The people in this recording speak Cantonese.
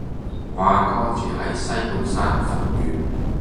我阿哥住喺西半山福苑